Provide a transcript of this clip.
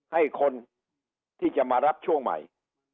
ให้คนที่จะมารับช่วงใหม่